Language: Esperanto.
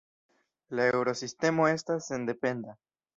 La Eŭrosistemo estas sendependa.